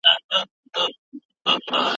زه مالګه او بوره کمه کاروم ځکه چې زیان لری.